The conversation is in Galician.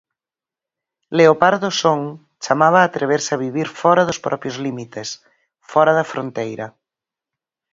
'Leopardo son' chamaba a atreverse a vivir fóra dos propios límites, fóra da fronteira.